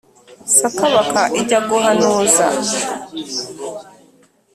saka baka ijya guhanuza